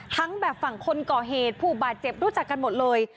ทั้งแบบฝั่งคนก่อเหตุผู้บาดเจ็บรู้จักกันหมดเลย